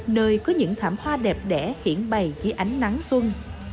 nơi có những thảm hoa đẹp đẻ hiện bày dưới ánh nắng xuân